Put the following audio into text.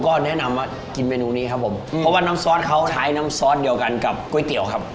ก็แนะนำว่ากินเมนูนี้ครับผมเพราะว่าน้ำซอสเขาใช้น้ำซอสเดียวกันกับก๋วยเตี๋ยวครับ